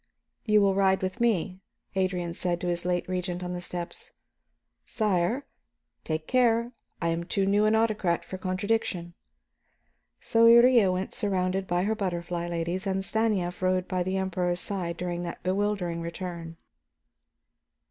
"You will ride with me," Adrian said to his late Regent, on the steps. "Sire " "Take care; I am too new an autocrat for contradiction." So Iría went surrounded by her butterfly ladies, and Stanief rode by the Emperor's side during that bewildering return.